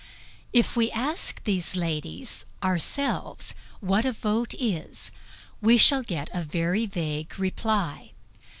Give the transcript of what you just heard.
If we ask these ladies ourselves what a vote is, we shall get a very vague reply.